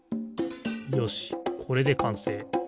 よしこれでかんせい。